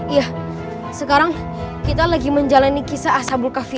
iya sekarang kita lagi menjalani kisah asabul kafi